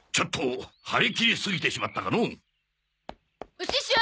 お師匠！